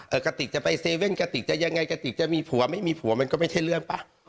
กระติกจะไปเซเว่นกะติกจะยังไงกระติกจะมีผัวไม่มีผัวมันก็ไม่ใช่เรื่องป่ะ